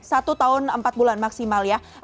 satu tahun empat bulan maksimal ya